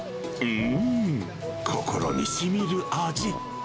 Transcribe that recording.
うーん、心にしみる味。